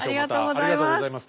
ありがとうございます。